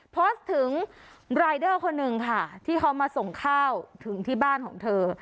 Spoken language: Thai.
โพสต์ถึงรายเดอร์คนหนึ่งค่ะที่เขามาส่งข้าวถึงที่บ้านของเธอ